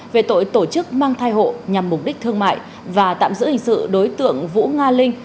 về tội tổ chức mang thai hộ nhằm mục đích thương mại và tạm giữ hình sự đối tượng vũ nga linh